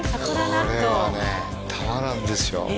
これはねたまらんですよ